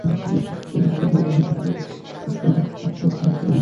তিনি বার্লিনে অনুষ্ঠিত word Baptist কংগ্রেসের সহ-সভাপতি নির্বাচিত হয়ে সেখানে যান।